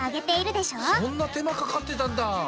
そんな手間かかってたんだ。